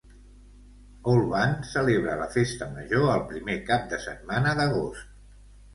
Olvan celebra la festa major el primer cap de setmana d'agost.